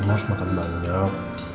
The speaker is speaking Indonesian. kamu harus makan banyak